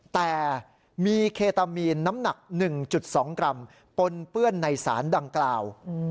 แต่มีเคตามีนน้ำหนัก๑๒กรัมปนเปื้อนในสารดังกล่าว